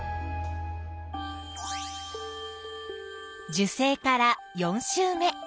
受精から４週目。